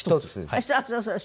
あっそうそうそう。